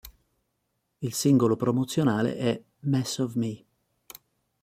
Il singolo promozionale è "Mess of Me".